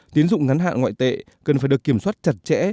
tiến dụng ngắn hạn ngoại tệ cần phải được kiểm soát chặt chẽ